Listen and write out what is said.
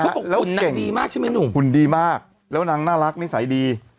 บอกหุ่นนางดีมากใช่ไหมหนุ่มหุ่นดีมากแล้วนางน่ารักนิสัยดี